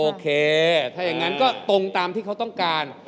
โอเคถ้าอย่างนั้นก็ตรงตามที่เขาต้องการ